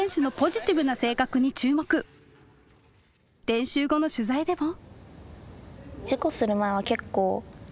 練習後の取材でも。